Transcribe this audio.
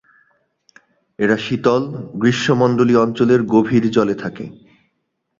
এরা শীতল, গ্রীষ্মমন্ডলীয় অঞ্চলের গভীর জলে থাকে।